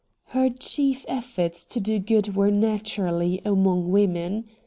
Her chief efforts to do good were naturally among women.